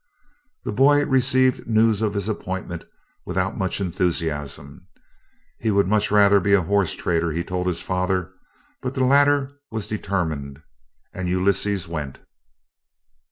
The boy received news of his appointment without much enthusiasm. He would much rather be a horse trader, he told his father. But the latter was determined and Ulysses went.